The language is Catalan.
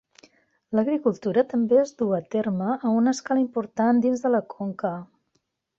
L'agricultura també es duu a terme a una escala important dins de la conca.